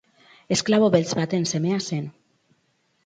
Esklabo beltz baten semea zen.